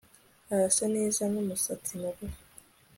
Arasa neza numusatsi mugufi